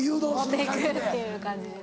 持っていくっていう感じです。